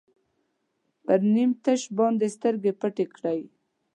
پر نیم تش باندې سترګې پټې کړئ.